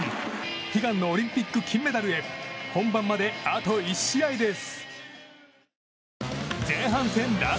悲願のオリンピック金メダルへ本番まであと１試合です。